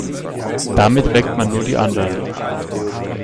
Damit weckt man nur die anderen.